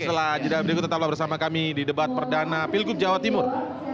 setelah jeda berikut tetaplah bersama kami di debat perdana pilgub jawa timur